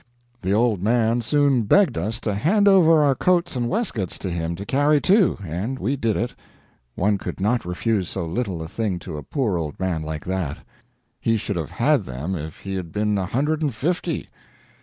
The old man soon begged us to hand over our coats and waistcoats to him to carry, too, and we did it; one could not refuse so little a thing to a poor old man like that; he should have had them if he had been a hundred and fifty.